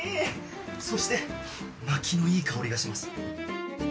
そしてまきのいい香りがします。